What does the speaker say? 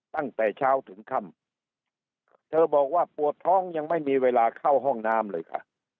ตั้งแต่เช้าถึงค่ำเธอบอกว่าปวดท้องยังไม่มีเวลาเข้าห้องน้ำเลยค่ะ